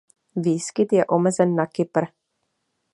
Výskyt je omezen na Kypr.